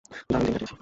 দারুণ দিন কাটিয়েছি।